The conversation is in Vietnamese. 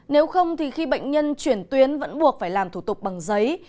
nếu không thì khi bệnh nhân chuyển tuyến vẫn buộc phải làm thủ tục bằng giấy